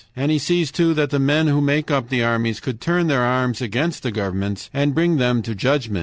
And he sees, too, that the men who make up the armies could turn their arms against the governments and bring them to judgment.